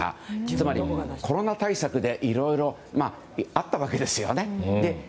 つまりコロナ対策でいろいろあったわけですよね。